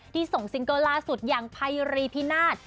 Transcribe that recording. ส่งซิงเกิลล่าสุดอย่างไพรีพินาศ